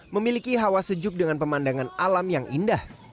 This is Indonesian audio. memiliki hawa sejuk dengan pemandangan alam yang indah